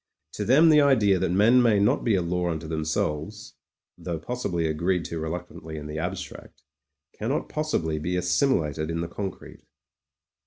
To them the idea that men may not be a law unto them selves — ^though possibly agreed to reluctantly in the abstract — cannot possibly be assimilated in the con crete.